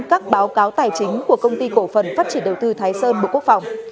các báo cáo tài chính của công ty cổ phần phát triển đầu tư thái sơn bộ quốc phòng